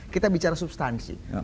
kita bicara substansi